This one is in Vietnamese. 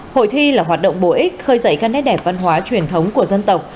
hội thi là hoạt động bổ ích khơi dậy các nét đẹp văn hóa truyền thống của dân tộc